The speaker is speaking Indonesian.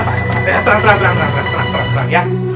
terang terang terang terang ya